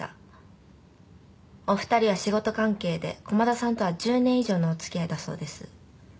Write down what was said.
お二人は仕事関係で駒田さんとは１０年以上のお付き合いだそうです。